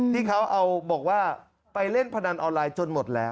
ที่เขาเอาบอกว่าไปเล่นพนันออนไลน์จนหมดแล้ว